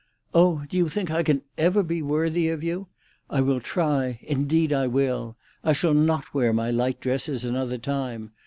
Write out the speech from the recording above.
Oh, do you think I can ever be worthy of you? I will try; indeed I will! I shall not wear my light dresses another time!